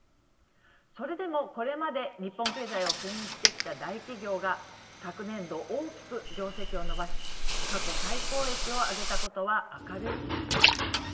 それでも、これまで日本経済をけん引してきた大企業が、昨年度大きく業績を伸ばし過去最高益を上げたことは明るい兆しです。